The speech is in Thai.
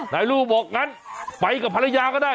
ลูกบอกงั้นไปกับภรรยาก็ได้